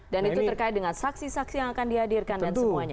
dan itu terkait dengan saksi saksi yang akan dihadirkan dan semuanya